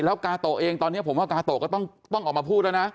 แล้วกาโตะเองตอนนี้ผมว่ากาโตก็ต้องออกมาพูดแล้วนะ